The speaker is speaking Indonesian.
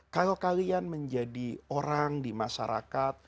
kalau kalian menjadi orang di masyarakat